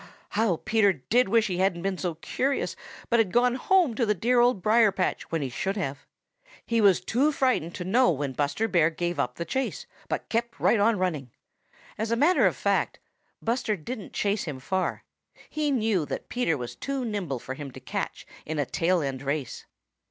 How Peter did wish that he hadn't been so curious, but had gone home to the dear Old Briar patch when he should have! He was too frightened to know when Buster Bear gave up the chase, but kept right on running. As a matter of fact, Buster didn't chase him far. He knew that Peter was too nimble for him to catch in a tail end race.